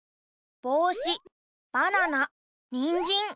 ぼうしばななにんじん。